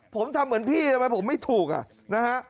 ผมทำเหมือนพี่ทำไมผมไม่ถูกอ่ะนะฮะ